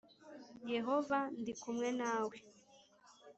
Yehova ndi kumwe nawe